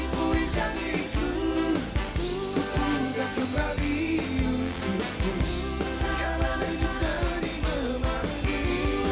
tidak ada yang tak lagi memanggil